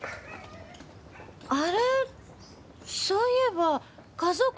あれそういえば和夫君